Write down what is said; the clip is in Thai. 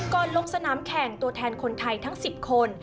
ลงสนามแข่งตัวแทนคนไทยทั้ง๑๐คน